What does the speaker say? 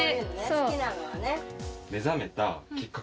好きなのはね。